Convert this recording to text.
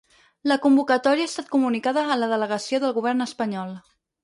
La convocatòria ha estat comunicada a la delegació del govern espanyol.